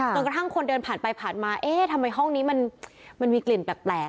จนกระทั่งคนเดินผ่านไปผ่านมาเอ๊ะทำไมห้องนี้มันมีกลิ่นแปลก